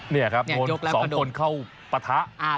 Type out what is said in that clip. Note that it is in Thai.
นี่ครับโดน๒คนเข้าปะทะ